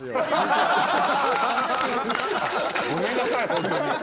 ごめんなさいホントに。